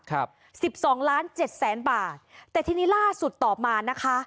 ครับสิบสองล้านเจ็ดแสนบาทแต่ทีนี้ล่าสุดต่อมานะคะ